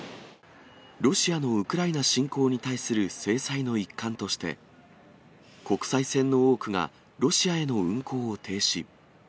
ロシアのウクライナ侵攻に対する制裁の一環として、国際線の多くが、ロシアへの運航を停止。